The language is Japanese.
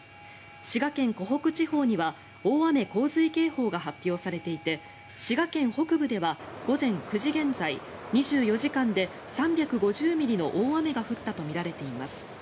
滋賀県湖北地方には大雨・洪水警報が発表されていて滋賀県北部では午前９時現在２４時間で３５０ミリの大雨が降ったとみられています。